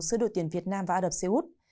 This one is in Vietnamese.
xưa đội tuyển việt nam và ả đập xê út